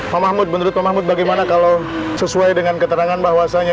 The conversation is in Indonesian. pak mahmud menurut pak mahmud bagaimana kalau sesuai dengan keterangan bahwasannya